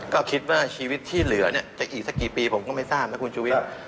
ก็คิดว่าชีวิตที่เหลือเนี่ยจะอีกสักกี่ปีผมก็ไม่ทราบนะคุณชุวิต